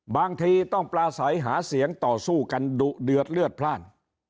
บางทีต้องปลาใสหาเสียงต่อสู้กันดุเดือดเลือดพลาด